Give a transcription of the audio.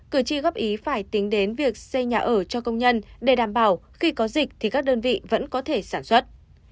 cử tri góp ý phải tính đến việc xây nhà ở cho công nhân để đảm bảo khi có dịch thì các đơn vị vẫn có thể sản xuất